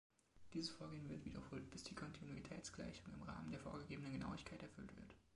Dieses Vorgehen wird wiederholt, bis die Kontinuitätsgleichung im Rahmen der vorgegebenen Genauigkeit erfüllt wird.